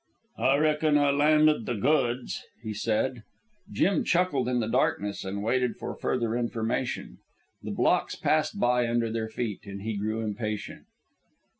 "I reckon I landed the goods," he said. Jim chuckled in the darkness, and waited for further information. The blocks passed by under their feet, and he grew impatient.